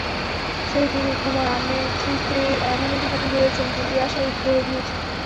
সেই থেকে কুমার আমেথিতে এমনই ঘাঁটি গেড়েছেন, দিল্লি আসাই ছেড়ে দিয়েছেন।